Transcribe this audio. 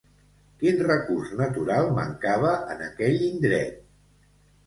Quin recurs natural mancava en aquell indret?